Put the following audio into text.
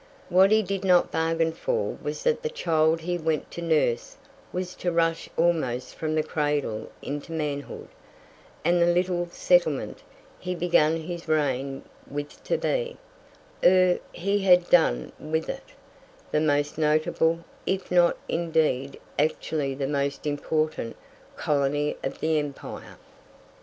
What he did not bargain for was that the child he went to nurse was to rush almost from the cradle into manhood; and the little "settlement" he began his reign with to be, ere he had done with it, the most notable, if not indeed actually the most important, colony of the empire.